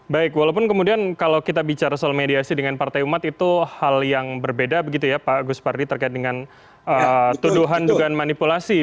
baik walaupun kemudian kalau kita bicara soal mediasi dengan partai umat itu hal yang berbeda begitu ya pak agus pardi terkait dengan tuduhan dugaan manipulasi